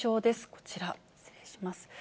こちら、失礼します。